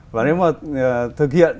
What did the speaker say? và nếu mà thực hiện